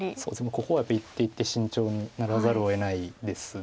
ここは一手一手慎重にならざるをえないです。